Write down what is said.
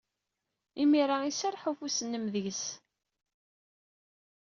Imir-a iserreḥ ufus-nnem deg-s.